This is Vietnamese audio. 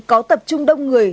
có tập trung đông người